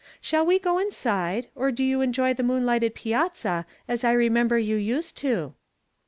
Shall we go inside, or will you enjoy the moonlighted piazza as I remember you used to?"